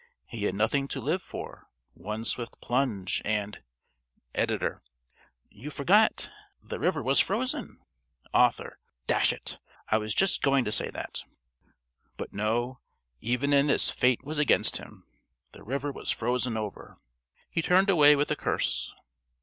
He had nothing to live for. One swift plunge, and (~Editor.~ You forget. The river was frozen. ~Author.~ Dash it, I was just going to say that.) But no! Even in this Fate was against him. The river was frozen over! He turned away with a curse....